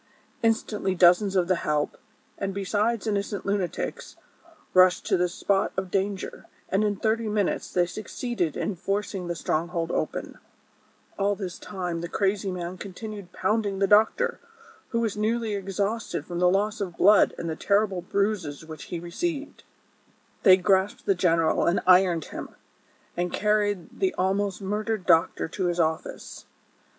" Instantly dozens of the help, and besides innocent luna tics, rushed to the spot of danger, and in tliii'ty minutes they succeeded in forcing the stronghold open ; all this time the crazy man continued pounding the doctor, who was nearly exhausted from the loss of blood and the terri ble bruises which he received. THE CONSPIRATOES AND LOVERS. 163 They grasped the general and ironed him, and carried the ahuost murdered doctor to his office.